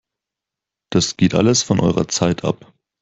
Das geht alles von eurer Zeit ab!